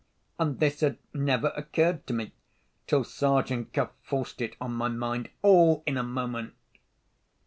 And this had never occurred to me, till Sergeant Cuff forced it on my mind all in a moment!